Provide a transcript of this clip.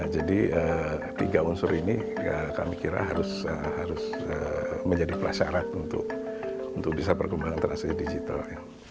jadi tiga unsur ini kami kira harus menjadi pelasyarat untuk bisa berkembang teras di digital